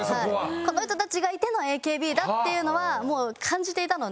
この人たちがいてのＡＫＢだっていうのは感じていたので。